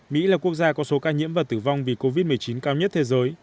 mỹ là quốc gia có số ca nhiễm và tử vong vì covid một mươi chín cao nhất thế giới